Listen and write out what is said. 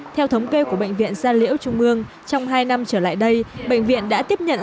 theo thống kê của bệnh viện gia liễu trung mương trong hai năm trở lại đây bệnh viện đã tiếp nhận